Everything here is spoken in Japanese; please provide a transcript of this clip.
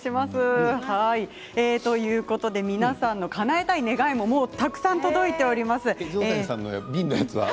皆さんのかなえたい願いもたくさん届いています。